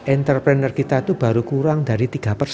entrepreneur kita itu baru kurang dari tiga persen